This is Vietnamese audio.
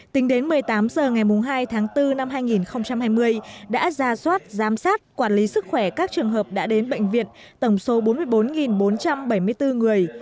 tính đến một mươi tám h ngày hai tháng bốn năm hai nghìn hai mươi đã ra soát giám sát quản lý sức khỏe các trường hợp đã đến bệnh viện tổng số bốn mươi bốn bốn trăm bảy mươi bốn người